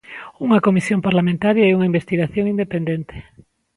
Unha comisión parlamentaria e unha investigación "independente".